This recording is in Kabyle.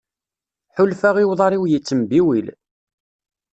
Ḥulfaɣ i uḍar-iw yettembiwil.